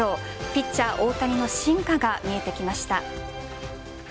ピッチャー・大谷の進化が見えてきました。